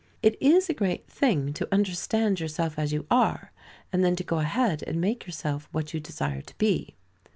It is a great thing to understand yourself as you are, and then to go ahead and make yourself what you desire to be.